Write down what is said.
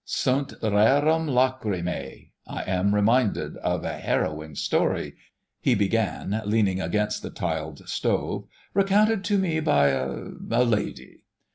"Sunt rerum lachrimæ. I am reminded of a harrowing story," he began, leaning against the tiled stove, "recounted to me by a—a lady.